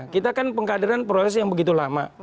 kita kan pengkaderan proses yang begitu lama